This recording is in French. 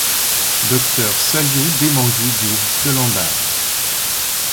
Docteur Saliou Démanguy Diouf de Lambaye.